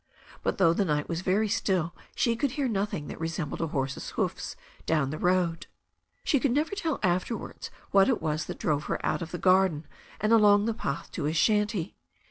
But though the night was very still she could hear nothing that resembled a horse's hoofs down the road. She could never tell afterwards what it was that drove her out of the garden and along the path to his shanty.